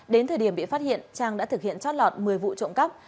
đến thời điểm bị phát hiện trang đã thực hiện chót lọt một mươi vụ trộm cắp